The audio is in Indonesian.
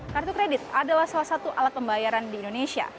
kartu kredit adalah salah satu alat pembayaran di indonesia